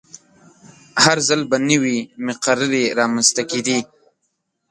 هر ځل به نوې مقررې رامنځته کیدې.